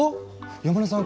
山根さん